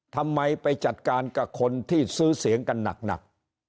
ทำไมไปจัดการกับคนที่ซื้อเสียงกันหนัก